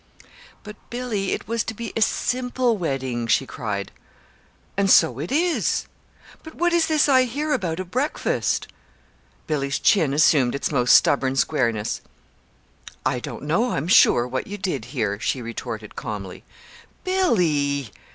"But Billy, it was to be a simple wedding," she cried. "And so it is." "But what is this I hear about a breakfast?" Billy's chin assumed its most stubborn squareness. "I don't know, I'm sure, what you did hear," she retorted calmly. "Billy!"